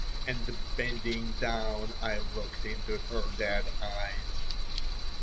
And bending down I looked into her dead eyes.